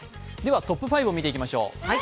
トップ５を見ていきましょう。